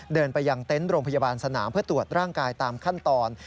เดินไปยังเต็นต์โรงพยาบาลสนามเพื่อตรวจร่างกายตามขั้นตอน